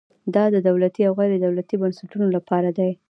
دا د دولتي او غیر دولتي بنسټونو لپاره دی.